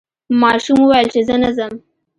ماشوم وویل چې زه نه ځم.